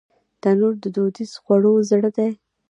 تنور د دودیزو خوړو زړه دی